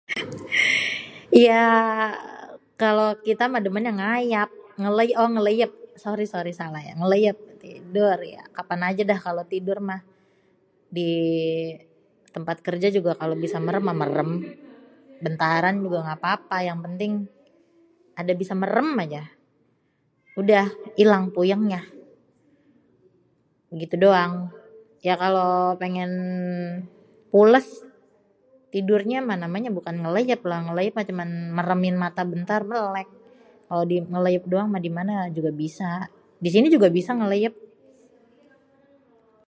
Ya, kalo kita mah demennya ngayab. Ngéléyép, oh ngéléyép. Sorry, sorry salah ya, ngéléyép tidur ya kapan aja dah kalo tidur mah. Di tempat kerja juga kalo bisa merem mah merem, bentaran juga gapapa yang penting adé bisa merem aja. Udah ilang puyengnya. Begitu doang. Ya, kalo pengen pules tidurnya, mah namanya bukan ngéléyép lah, ngéléyép mah cuman meremin mata bentar, mélék. Kalo ngéléyép doang mah, di mana juga bisa. Di sini juga bisa ngéléyép.